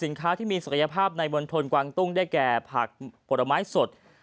ที่มีศักยภาพในมณฑลกวางตุ้งได้แก่ผักผลไม้สด